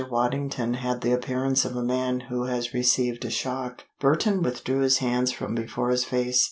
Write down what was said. Waddington had the appearance of a man who has received a shock. Burton withdrew his hands from before his face.